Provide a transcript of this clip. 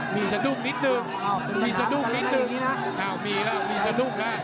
มีสนุกนิดนึงมีสนุกนิดนึงอ้าวมีแล้วมีสนุกแล้ว